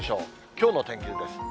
きょうの天気図です。